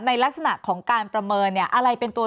ในลักษณะของการประเมินอะไรเป็นตัว